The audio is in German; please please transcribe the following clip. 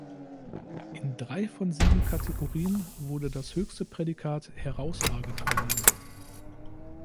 In drei von sieben Kategorien wurde das höchste Prädikat „herausragend“ verliehen.